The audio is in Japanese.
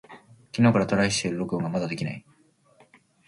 昨日からトライしているが録音がまだできない。